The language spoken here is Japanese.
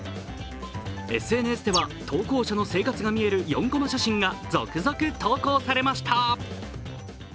ＳＮＳでは、投稿者の生活が見える４コマ写真が続々投稿されました。